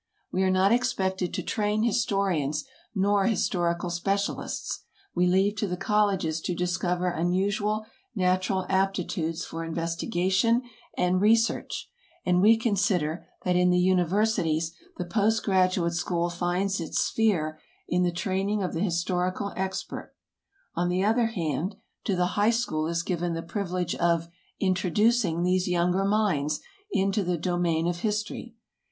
We are not expected to train historians nor historical specialists; we leave to the colleges to discover unusual natural aptitudes for investigation and research, and we consider that in the universities the post graduate school finds its sphere in the training of the historical expert; on the other hand, to the high school is given the privilege of introducing these younger minds into the domain of history.